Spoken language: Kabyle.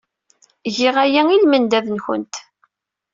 Giɣ aya i lmendad-nwent.